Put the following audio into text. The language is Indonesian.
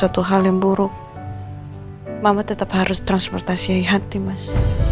suatu hal yang buruk mama tetap harus transportasi hati mas